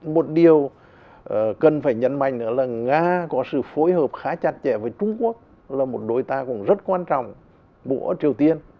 một điều cần phải nhấn mạnh nữa là nga có sự phối hợp khá chặt chẽ với trung quốc là một đối tác cũng rất quan trọng của triều tiên